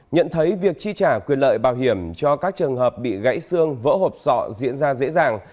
nhận thấy việc chi trả quyền lợi bảo hiểm cho các trường hợp bị gãy xương vỡ hộp sọ diễn ra dễ dàng